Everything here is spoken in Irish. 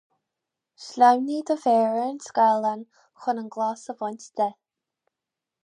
Sleamhnaigh do mhéar ar an scáileán chun an glas a bhaint de.